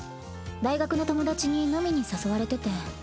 大学の友達に飲みに誘われてて。